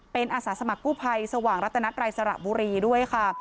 เป็นอาสาสมัครกู้ภัยสว่างรัตนัตรัยสระบุรีด้วยค่ะ